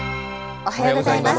おはようございます。